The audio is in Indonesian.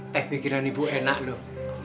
teh bikinan ibu enak loh